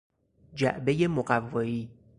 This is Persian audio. جعبهی مقوایی